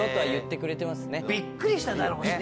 びっくりしただろうね。